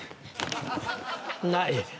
ない！